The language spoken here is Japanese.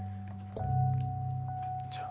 じゃあ。